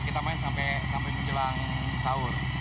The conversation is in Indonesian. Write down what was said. kita main sampai menjelang sahur